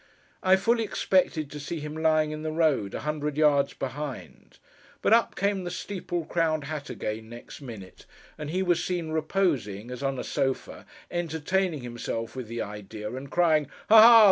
I fully expected to see him lying in the road, a hundred yards behind, but up came the steeple crowned hat again, next minute, and he was seen reposing, as on a sofa, entertaining himself with the idea, and crying, 'Ha, ha!